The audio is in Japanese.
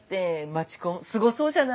街コンすごそうじゃない？